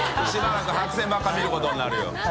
靴个蕕白線ばっか見ることになるよ。